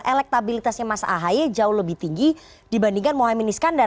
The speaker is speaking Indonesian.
elektabilitasnya mas ahy jauh lebih tinggi dibandingkan muhaymin iskandar